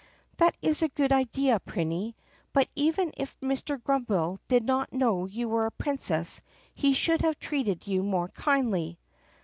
"That is a good idea, Prinny. But even if Mr. Grummbel did not know you were a princess he should have treated you more kindly."